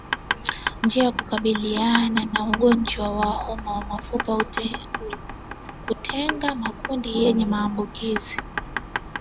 Njia ya kukabiliana na ugonjwa wa homa ya mapafu ni kutenga makundi yenye maambukizi